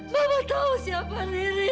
mama tau siapa riri